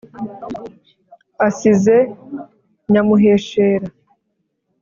asize nyamuheshera